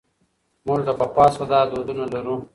موږ له پخوا څخه دا دودونه لرو.